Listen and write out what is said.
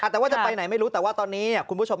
แต่ว่าจะไปไหนไม่รู้แต่ว่าตอนนี้คุณผู้ชม